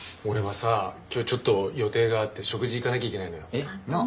俺はさ今日ちょっと予定があって食事行かなきゃいけないのよ。